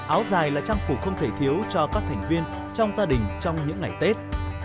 áo dài là trang phục không thể thiếu cho các thành viên trong gia đình trong những ngày tết